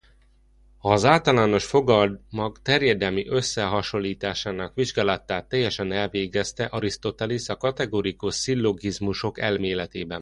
Az általános fogalmak terjedelmi összehasonlításának vizsgálatát teljesen elvégezte Arisztotelész a kategorikus szillogizmusok elméletében.